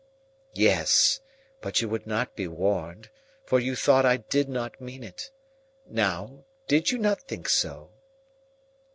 "Yes. But you would not be warned, for you thought I did not mean it. Now, did you not think so?"